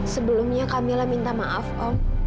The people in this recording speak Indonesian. sebelumnya kamilah minta maaf om